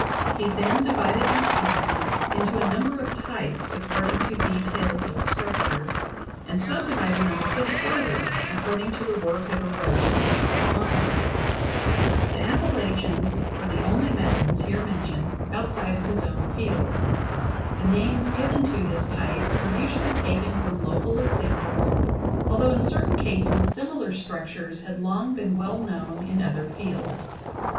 He then divided these classes into a num ber of types according to details of structure, and subdivided them still further according to the work of erosion upon them. The Appalachians were the only mountains here mentioned JOHN WIvSI.KY POWEXL DAVIS outside of his own field. The names given to his types were usually taken from local examples, although in certain cases similar structures had long been well known in other fields.